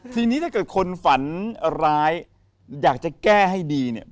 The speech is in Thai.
ทีนี้ถ้าเกิดคนฝันร้ายอยากจะแก้ให้ดีเนี่ย